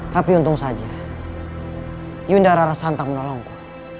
tapi untung saja yunda rarasanta menolongku